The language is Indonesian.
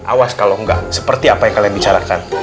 awas kalau enggak seperti apa yang kalian bicarakan